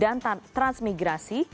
kasus kardus durian atau durian